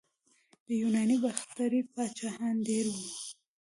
د یونانو باختري پاچاهان ډیر وو